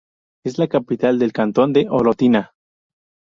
Es la capital del cantón de Orotina.